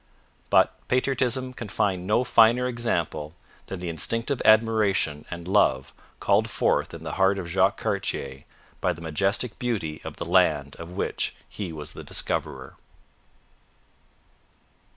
But patriotism can find no finer example than the instinctive admiration and love called forth in the heart of Jacques Cartier by the majestic beauty of the land of which he was the discoverer.